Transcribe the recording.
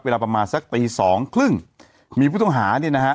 เวลาประมาณสักตีสองครึ่งมีผู้ต้องหาเนี่ยนะฮะ